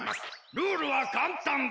ルールはかんたんです。